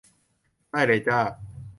ได้เลยจ้า